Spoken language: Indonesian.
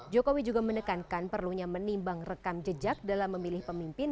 jokowi juga menekankan perlunya menimbang rekam jejak dalam memilih pemimpin